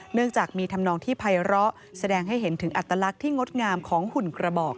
เนื่องจากมีธรรมนองที่ภัยร้อแสดงให้เห็นถึงอัตลักษณ์ที่งดงามของหุ่นกระบอก